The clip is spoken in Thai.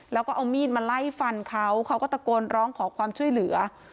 แล้วก็เอามีดมาไล่ฟันเขาเขาก็ตะโกนร้องขอความช่วยเหลือ